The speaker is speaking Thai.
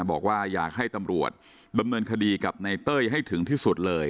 บอกว่าอยากให้ตำรวจดำเนินคดีกับในเต้ยให้ถึงที่สุดเลย